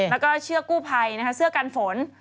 แล้วก็เชือกกู้ภัยนะคะเสื้อกันฝน